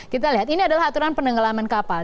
kita lihat ini adalah aturan penenggelaman kapal